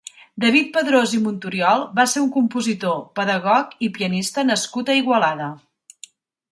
David Padrós i Montoriol va ser un compositor, pedagog i pianista nascut a Igualada.